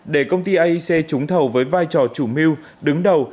để công ty aic trúng thầu với vai trò chủ mưu đứng đầu